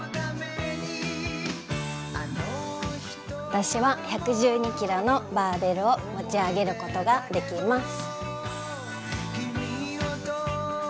私は１１２ｋｇのバーベルを持ち上げることができます。